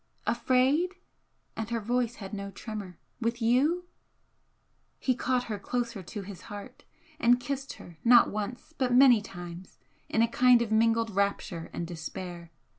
"Afraid?" And her voice had no tremor "With you?" He caught her closer to his heart and kissed her not once but many times in a kind of mingled rapture and despair.